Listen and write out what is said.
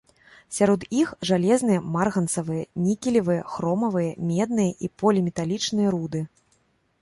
Сярод іх жалезныя, марганцавыя, нікелевыя, хромавыя, медныя і поліметалічныя руды.